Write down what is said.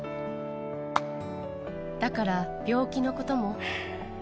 だから、病気のことも。